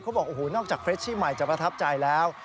บอกโอ้โหนอกจากเฟรชชี่ใหม่จะประทับใจแล้ว